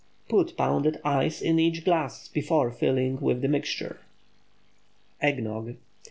Put pounded ice in each glass before filling with the mixture. EGG NOGG.